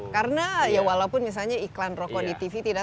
karena ya walaupun misalnya iklan rokok di tv tidak